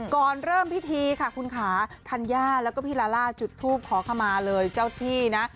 ก่อนเริ่มพิธีค่ะคุณขาทันย่าแล้วก็พีลาร่าจุดธูปขอเข้ามาเลยเจ้าพี่นะ